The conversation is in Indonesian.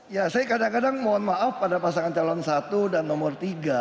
ya saya kadang kadang mohon maaf pada pasangan calon satu dan nomor tiga